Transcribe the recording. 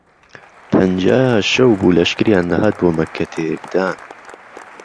پهنجا شەو بوو لەشکریان دههات بۆ مهککه تێکدان